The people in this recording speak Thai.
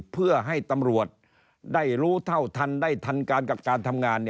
เพื่อให้ตำรวจได้รู้เท่าทันได้ทันการกับการทำงาน